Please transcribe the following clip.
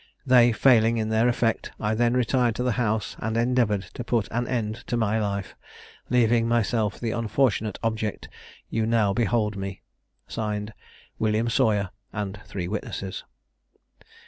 They failing in their effect, I then retired to the house and endeavoured to put an end to my life, leaving myself the unfortunate object you now behold me. (Signed) "WILLIAM SAWYER." And three witnesses.